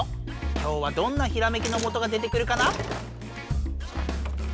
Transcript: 今日はどんなひらめきのもとが出てくるかな？